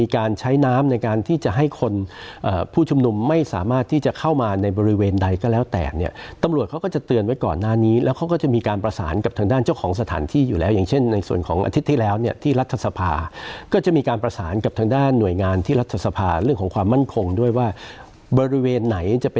การใช้น้ำในการที่จะให้คนผู้ชุมนุมไม่สามารถที่จะเข้ามาในบริเวณใดก็แล้วแต่เนี่ยตำรวจเขาก็จะเตือนไว้ก่อนหน้านี้แล้วเขาก็จะมีการประสานกับทางด้านเจ้าของสถานที่อยู่แล้วอย่างเช่นในส่วนของอาทิตย์ที่แล้วเนี่ยที่รัฐสภาก็จะมีการประสานกับทางด้านหน่วยงานที่รัฐสภาเรื่องของความมั่นคงด้วยว่าบริเวณไหนจะไป